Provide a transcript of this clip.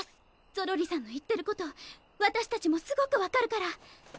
ゾロリさんの言ってることわたしたちもすごく分かるから。